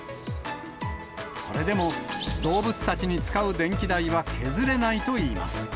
それでも動物たちに使う電気代は削れないといいます。